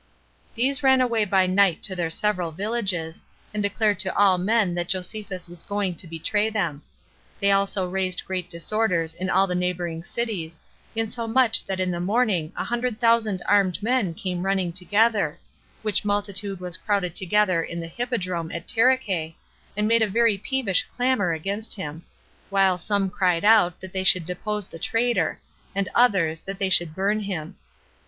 These ran away by night to their several villages, and declared to all men that Josephus was going to betray them: they also raised great disorders in all the neighboring cities, insomuch that in the morning a hundred thousand armed men came running together; which multitude was crowded together in the hippodrome at Taricheae, and made a very peevish clamor against him; while some cried out, that they should depose the traitor; and others, that they should burn him.